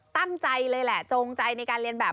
ตั้งใจเลยแหละจงใจในการเรียนแบบ